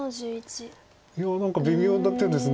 いや何か微妙な手です